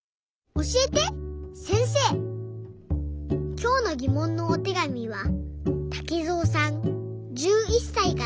きょうのぎもんのおてがみはたけぞうさん１１さいから。